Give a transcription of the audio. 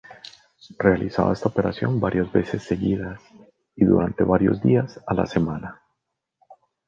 Realizaba esta operación varias veces seguidas y durante varios días a la semana.